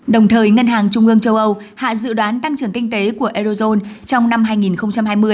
đồng thời ngân hàng trung ương châu âu hạ dự đoán tăng trưởng kinh tế của eurozone trong năm hai nghìn hai mươi